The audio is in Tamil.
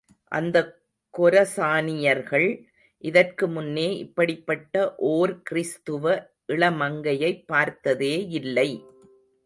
அந்தக் கொரசானியர்கள் இதற்குமுன்னே இப்படிப்பட்ட ஓர் கிறிஸ்துவ இளமங்கையைப் பார்த்ததேயில்லை.